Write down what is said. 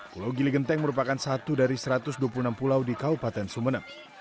pulau gili genteng merupakan satu dari satu ratus dua puluh enam pulau di kabupaten sumeneb